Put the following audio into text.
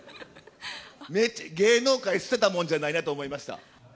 芸能界捨てたもんじゃないなと思いました。